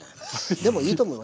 でもいいと思います。